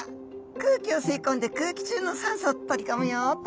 空気を吸い込んで空気中の酸素を取り込むよと。